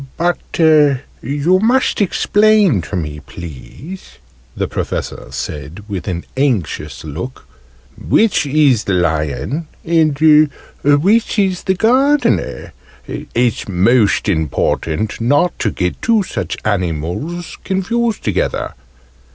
"But you must explain to me, please," the Professor said with an anxious look, "which is the Lion, and which is the Gardener. It's most important not to get two such animals confused together.